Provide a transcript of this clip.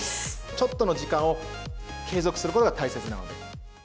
ちょっとの時間を継続することが大切なので。